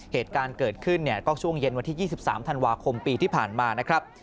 เหตุการณ์เกิดขึ้นช่วงเย็นวันที่๒๓ธันวาคมปีที่ผ่านมา